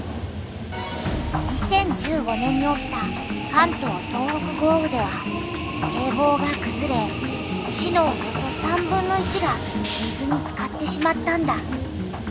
２０１５年に起きた関東・東北豪雨では堤防がくずれ市のおよそ３分の１が水につかってしまったんだ。